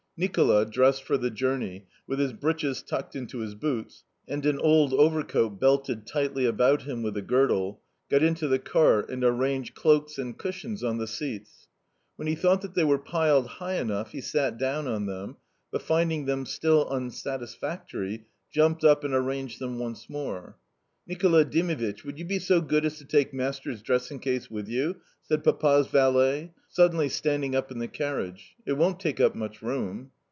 Nicola, dressed for the journey, with his breeches tucked into his boots and an old overcoat belted tightly about him with a girdle, got into the cart and arranged cloaks and cushions on the seats. When he thought that they were piled high enough he sat down on them, but finding them still unsatisfactory, jumped up and arranged them once more. "Nicola Dimitvitch, would you be so good as to take master's dressing case with you?" said Papa's valet, suddenly standing up in the carriage, "It won't take up much room."